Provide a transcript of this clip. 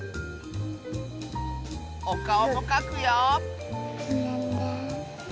おかおもかくよ！